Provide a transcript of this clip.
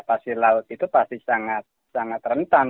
pasir laut itu pasti sangat rentan